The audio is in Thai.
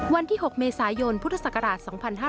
วันที่๖เมษายนพุทธศักราช๒๕๕๙